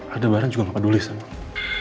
aldebaran juga gak peduli sama gue